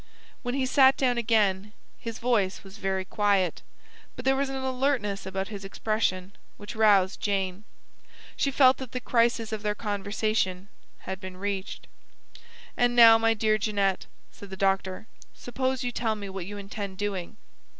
When he sat down again, his voice was very quiet, but there was an alertness about his expression which roused Jane. She felt that the crisis of their conversation had been reached. "And now, my dear Jeanette," said the doctor, "suppose you tell me what you intend doing."